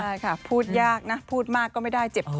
ใช่ค่ะพูดยากนะพูดมากก็ไม่ได้เจ็บคอ